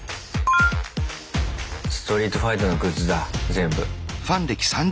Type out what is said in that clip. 「ストリートファイター」のグッズだ全部。